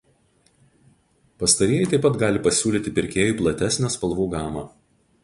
Pastarieji taip pat gali pasiūlyti pirkėjui platesnę spalvų gamą.